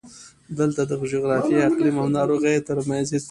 دلته د جغرافیې، اقلیم او ناروغیو ترمنځ هېڅ توپیر نشته.